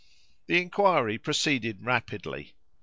The inquiry proceeded rapidly.